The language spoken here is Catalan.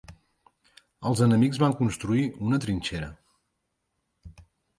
Els enemics van construir una trinxera